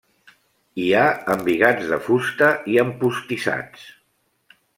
Hi ha embigats de fusta i empostissats.